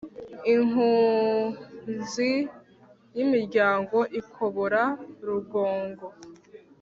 Inkunzi y’imiryango ikobora rugongo.